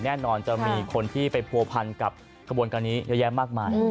แน่นอนจะมีคนที่ไปผัวพันกับขบวนการนี้เยอะแยะมากมาย